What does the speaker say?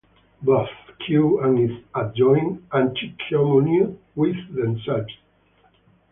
Both "Q" and its adjoint anticommute with themselves.